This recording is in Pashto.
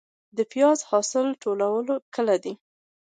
د پیاز د حاصل ټولول کله دي؟